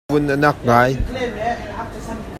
A vun a nak ngai.